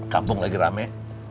kampung lagi rame